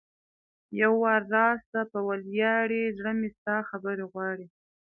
یو وار راسه په ولیاړې ـ زړه مې ستا خبرې غواړي